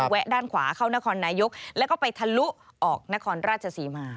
แวะด้านขวาเข้านครนายกแล้วก็ไปทะลุออกนครราชศรีมา